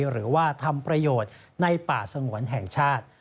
หรือว่าทำประโยชน์ในป่าสงวนแห่งชาติ